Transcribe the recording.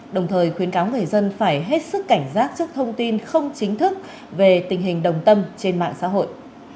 đồng thời khuyến cáo người dân phải hết sức cảnh giác trước thông tin không chính thức về tình hình đồng tâm trên mạng xã hội